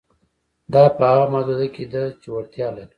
دا په هغه محدوده کې ده چې وړتیا لري.